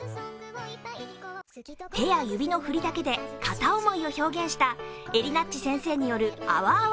手や指の振りだけで片思いを表現した、えりなっち先生によるあわあわ